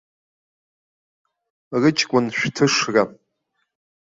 Рыҷкәын шәҭышра!